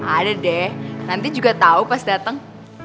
ada deh nanti juga tau pas dateng